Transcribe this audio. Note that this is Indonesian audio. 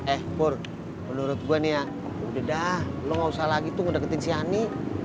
eh pur menurut gue nih ya udah dah lo gak usah lagi tuh ngedeketin si ani